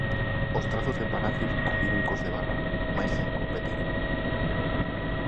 Os trazos de Palacios conviven cos de Barral, mais sen competiren.